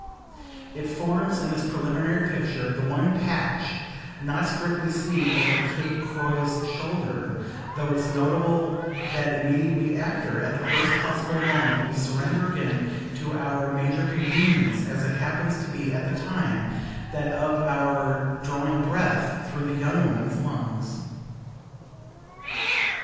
It forms, in this preliminary picture, the one patch not strictly seen over Kate Croy's shoulder; though it's notable that immediately after, at the first possible moment, we surrender again to our major convenience, as it happens to be at the time, that of our drawing breath through the young woman's lungs.